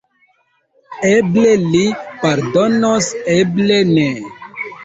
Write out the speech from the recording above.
Eble li pardonos, eble ne.